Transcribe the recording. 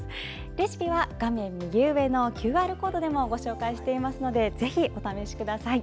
レシピは画面右上のＱＲコードでもご紹介していますのでぜひお試しください。